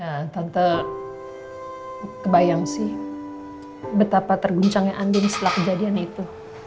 ya tante kebayang sih betapa terguncangnya andin setelah kejadian itu